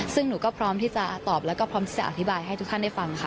ซึ่งหนูก็พร้อมที่จะตอบแล้วก็พร้อมจะอธิบายให้ทุกท่านได้ฟังค่ะ